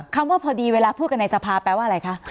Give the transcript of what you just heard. ว่าพอดีเวลาพูดกันในสภาแปลว่าอะไรคะ